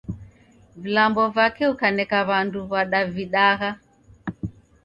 Vilambo vake ukaneka W'andu wadavidagha.